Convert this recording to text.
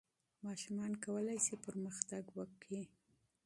ماشومان کولای سي پرمختګ وکړي.